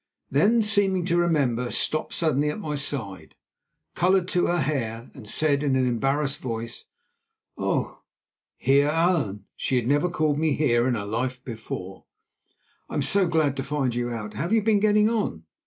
Then seeming to remember, stopped suddenly at my side, coloured to her hair, and said in an embarrassed voice: "Oh, Heer Allan"—she had never called me Heer in her life before—"I am so glad to find you out! How have you been getting on?"